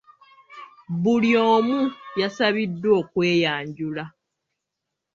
Buli omu yasabiddwa okweyanjula .